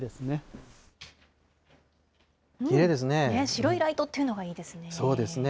白いライトっていうのがいいですね。